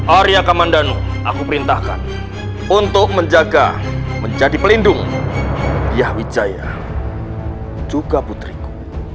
arya kamandano aku perintahkan untuk menjaga menjadi pelindung yah wijaya juga putriku